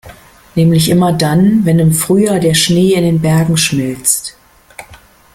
Nämlich immer dann, wenn im Frühjahr der Schnee in den Bergen schmilzt.